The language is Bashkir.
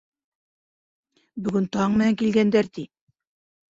— Бөгөн таң менән килгәндәр, ти.